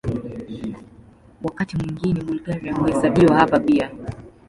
Wakati mwingine Bulgaria huhesabiwa hapa pia.